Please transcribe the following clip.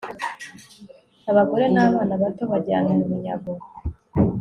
abagore n'abana babo bajyanywe bunyago